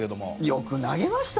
よく投げました。